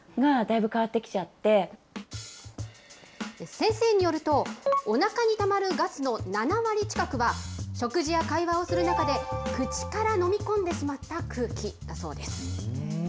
先生によると、おなかにたまるガスの７割近くは、食事や会話をする中で、口から飲み込んでしまった空気だそうです。